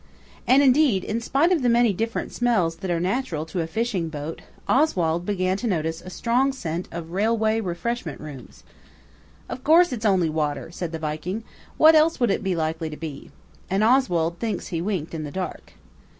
And indeed, in spite of the many different smells that are natural to a fishing boat, Oswald began to notice a strong scent of railway refreshment rooms. "In course it's only water," said the Viking. "What else would it be likely to be?" and Oswald thinks he winked in the dark.